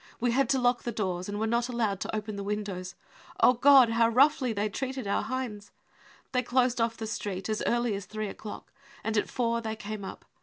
We had to lock the doors and were not allowed to open the windows. O God, how roughly they treated qur Heinz ! They closed off the street as early as three o'clock, and at four they came up.